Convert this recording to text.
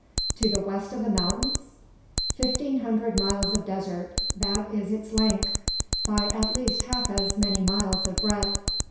"To the west of the mountains?" "Fifteen hundred miles of desert; that is its length, by at least half as many miles of breadth.